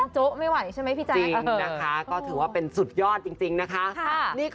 จริงนะคะถูกว่าเป็นสุดยอดจริงนะคะ